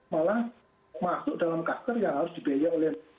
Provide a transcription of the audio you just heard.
malah masuk dalam kasar yang harus dibayar oleh